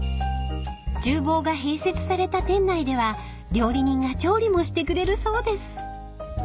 ［厨房が併設された店内では料理人が調理もしてくれるそうです］